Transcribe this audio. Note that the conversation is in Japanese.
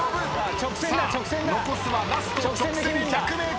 さあ残すはラスト直線１００ｍ。